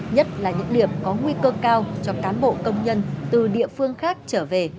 nhất là những điểm có nguy cơ cao cho cán bộ công nhân từ địa phương khác trở về